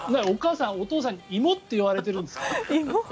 お父さんはお母さんに芋って言われてるんですか。